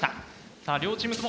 さあ両チームとも。